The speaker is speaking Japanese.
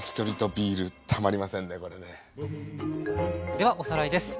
ではおさらいです。